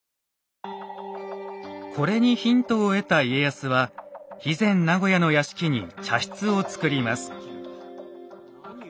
これにヒントを得た家康は肥前名護屋の屋敷に茶室をつくります。